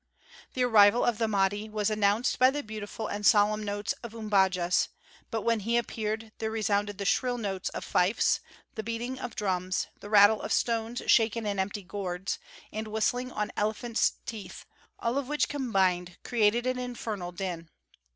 The arrival of the Mahdi was announced by the beautiful and solemn notes of umbajas, but when he appeared there resounded the shrill notes of fifes, the beating of drums, the rattle of stones shaken in empty gourds, and whistling on elephants' teeth, all of which combined created an infernal din.